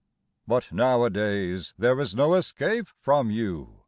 But nowadays there is no escape from you.